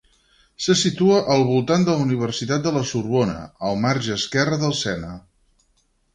Se situa al voltant de la Universitat de La Sorbona, al marge esquerre del Sena.